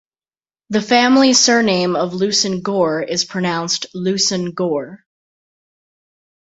The family surname of Leveson-Gower is pronounced "Looson-Gore".